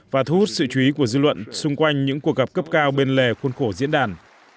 và thu hút sự chú ý của dư luận xung quanh những cuộc gặp cấp cao bên lề khuôn khổ diễn đàn